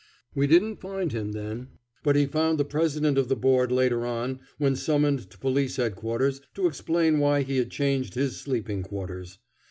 "] We didn't find him then, but he found the President of the Board later on when summoned to Police Headquarters to explain why he had changed his sleeping quarters.